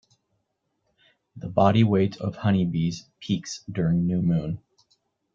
The body weight of honeybees peaks during new Moon.